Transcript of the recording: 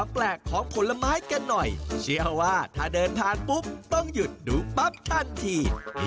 แปลกแค่ไหนติดตามพร้อมกันในช่วง